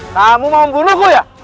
kamu mau membunuhku ya